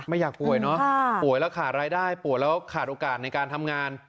อยากป่วยเนอะป่วยแล้วขาดรายได้ป่วยแล้วขาดโอกาสในการทำงาน